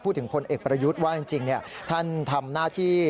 พลเอกประยุทธ์ว่าจริงท่านทำหน้าที่